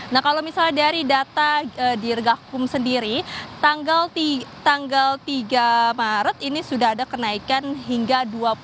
nah kalau misalnya dari data dirgakum sendiri tanggal tiga maret ini sudah ada kenaikan hingga dua puluh